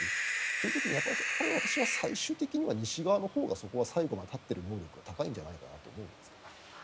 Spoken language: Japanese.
そういう時に、私は最終的には西側がそこは最後まで立っている能力は高いんじゃないかなと思うんですけどね。